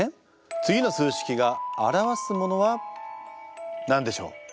次の数式が表すものは何でしょう？